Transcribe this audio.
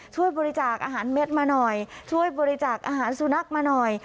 ช่วยบริจาคอาหารเม็ดมาหน่อยช่วยบริจาคอาหารสุนัขมาหน่อย